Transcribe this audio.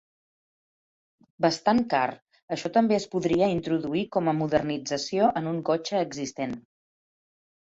Bastant car, això també es podria introduir com a modernització en un cotxe existent.